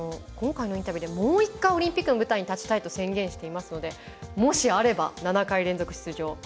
今回のインタビューでもう１回オリンピックの舞台に立ちたいと宣言していますのでもしあれば７回連続出場